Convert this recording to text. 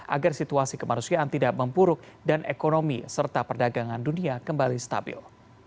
agar situasi kemanusiaan tidak mempuruk dan ekonomi serta perdagangan dunia kembali stabil